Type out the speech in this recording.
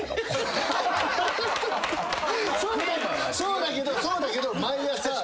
そうだけどそうだけど。